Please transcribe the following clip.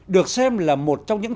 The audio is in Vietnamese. được xem là một trong những